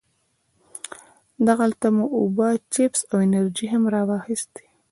دغلته مو اوبه، چپس او انرژيانې هم واخيستې.